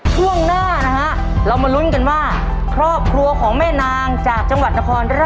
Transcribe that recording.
ช่วงหน้านะฮะเรามาลุ้นกันว่าครอบครัวของแม่นางจากจังหวัดนครราช